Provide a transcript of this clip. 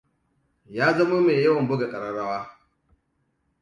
Ya zamo mai yawan buga ƙararrawa.